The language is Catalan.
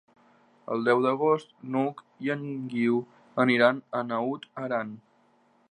El deu d'agost n'Hug i en Guiu aniran a Naut Aran.